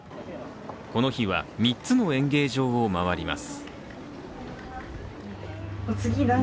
この日は３つの演芸場を回ります。